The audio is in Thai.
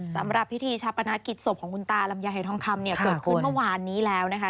สำหรับพิธีชาปนากิจศพของคุณตาลำไยหายทองคำเนี่ยเกิดขึ้นเมื่อวานนี้แล้วนะคะ